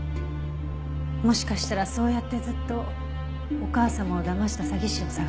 もしかしたらそうやってずっとお母様をだました詐欺師を捜していたのかも。